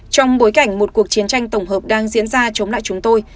trong bối cảnh một cuộc chiến tranh tổng hợp đang diễn ra chống lại chúng tôi